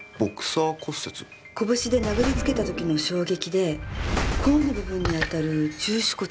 拳で殴りつけた時の衝撃で甲の部分にあたる中手骨が折れる事。